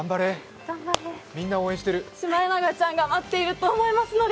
シマエナガちゃんが待っていると思いますので。